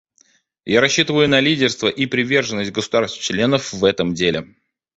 Я рассчитываю на лидерство и приверженность государств-членов в этом деле.